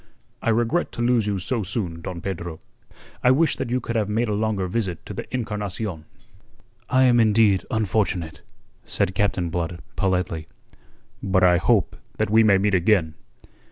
"I regret to lose you so soon, Don Pedro. I wish that you could have made a longer visit to the Encarnacion." "I am indeed unfortunate," said Captain Blood politely. "But I hope that we may meet again."